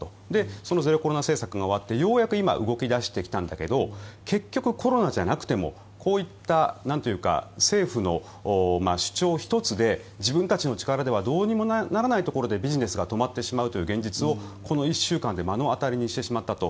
そのゼロコロナ政策が終わってようやく今動き出してきたんだけど結局、コロナじゃなくてもこういった政府の主張一つで自分たちの力ではどうにもならないところでビジネスが止まってしまうという現実をこの１週間で目の当たりにしてしまったと。